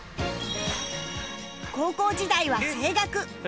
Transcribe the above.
高校時代は声楽